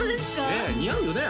ねえ似合うよね？